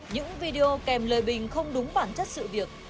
những video kèm lời bình không đúng bản chất sự việc